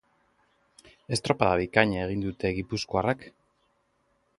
Estropada bikaina egin dute gipuzkoarrek.